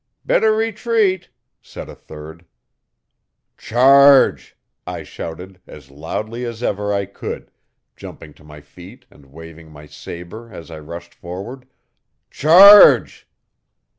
'Better retreat,' said a third. 'Charge!' I shouted as loudly as ever I could, jumping to my feet and waving my sabre as I rushed forward. 'Charge!'